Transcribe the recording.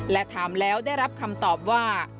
และถามแล้วได้รับคำตอบว่า